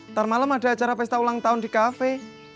ntar malam ada acara pesta ulang tahun di kafe